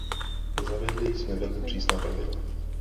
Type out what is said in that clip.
Zavedli jsme velmi přísná pravidla.